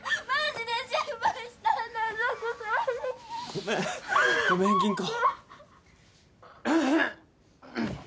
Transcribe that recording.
ごめんごめん吟子。